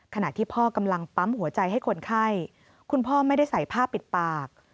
ขณะที่พ่อกำลังปั๊มหัวใจให้คนไข้คุณพ่อไม่ได้ใส่ผ้าปิดปาก